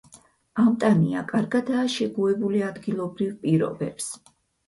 ამტანია, კარგადაა შეგუებული ადგილობრივ პირობებს.